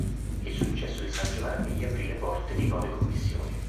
Il successo in San Giovanni gli aprì le porte di nuove commissioni.